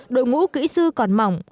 đội ngũ kỹ sư còn mỏng